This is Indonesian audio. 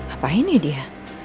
apa ini dia